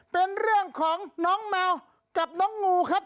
เป็นเรื่องของน้องแมวกับน้องงูครับ